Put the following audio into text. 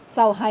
sau hai ngày